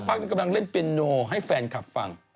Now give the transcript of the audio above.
สักพักนึงกำลังเล่นเปียโนให้แฟนกลับฟัง